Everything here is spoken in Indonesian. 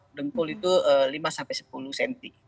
dengkul itu lima sampai sepuluh cm